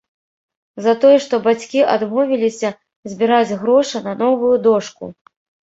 За тое, што бацькі адмовіліся збіраць грошы на новую дошку.